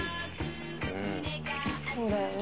「そうだよね」